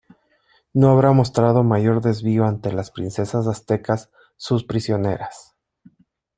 no habrá mostrado mayor desvío ante las princesas aztecas sus prisioneras,